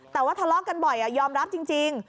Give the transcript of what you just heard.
แต่ว่าทะเลาะกันบ่อยยอมรับจริง